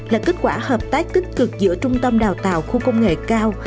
là kết quả hợp tác tích cực giữa trung tâm đào tạo khu công nghệ cao